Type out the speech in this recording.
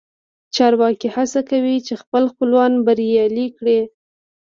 چارواکي هڅه کوي چې خپل خپلوان بریالي کړي